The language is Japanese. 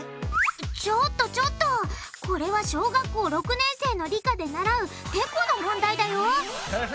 ちょっとちょっとこれは小学校６年生の理科で習う「てこ」の問題だよ。